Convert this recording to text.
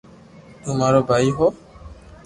تو مارو ڀائي ھو